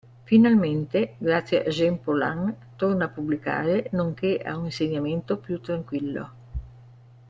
Finalmente, grazie a Jean Paulhan, torna a pubblicare, nonché a un insegnamento più tranquillo.